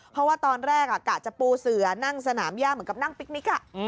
เพราะว่าตอนแรกกะจะปูเสือนั่งสนามย่าเหมือนกับนั่งปิ๊กนิก